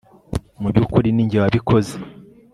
mu byukuri ni njye wabikoze